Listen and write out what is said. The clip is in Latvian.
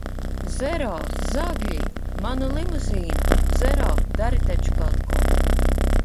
Zero, zagļi! Manu limuzīnu! Zero, dari taču kaut ko!